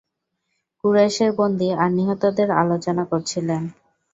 কুরাইশের বন্দী আর নিহতদের আলোচনা করছিলেন।